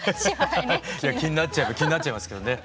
いや気になっちゃえば気になっちゃいますけどね。